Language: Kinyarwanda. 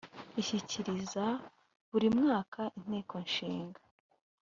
ishyikiriza buri mwaka inteko ishinga